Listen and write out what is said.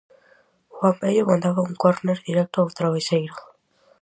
Juan Bello mandaba un córner directo ao traveseiro.